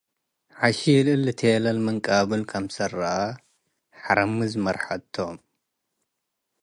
ሐሺል እሊ ቴለል ምን ቃብል ክምሰል ረአ፡፣ ሐረም'ዝ መርሐ እቶ'ም።